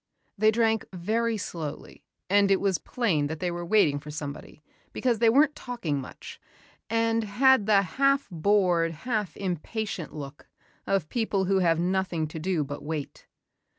They drank very slowly and it was plain that they were waiting for somebody because they weren't talking much and had the half bored, half impatient look of people who have nothing to do but wait.